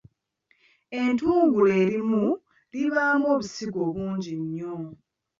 Ettungulu erimu libaamu obusigo bungi nnyo.